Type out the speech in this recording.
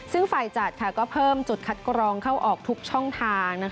ซึ่งฝ่ายจัดก็เพิ่มจุดคัดกรองเข้าออกทุกช่องทาง